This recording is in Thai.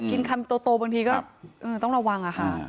กินคำโตบางทีก็ต้องระวังอะค่ะ